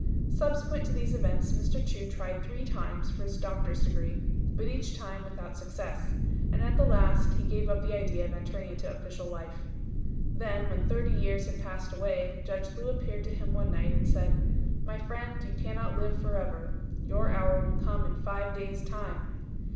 Subsequent to these events Mr. Chu tried three times for his doctor's degree, but each time without success, and at last he gave up the idea of entering into official life. Then when thirty years had passed away, Judge Lu appeared to him one night, and said, "My friend, you cannot live for ever. Your hour will come in five days' time."